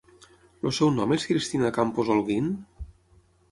El seu nom és Cristina Campos Holguín?